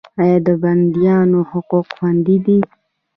آیا د بندیانو حقوق خوندي دي؟